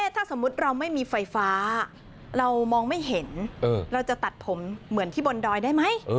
ถ้าสมมุติเราไม่มีไฟฟ้าเรามองไม่เห็นเราจะตัดผมเหมือนที่บนดอยได้ไหม